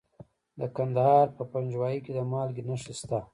د کندهار په پنجوايي کې د مالګې نښې شته.